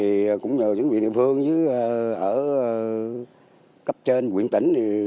thì cũng nhờ những vị địa phương ở cấp trên quyện tỉnh